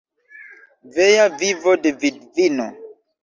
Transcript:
Vea vivo de vidvino.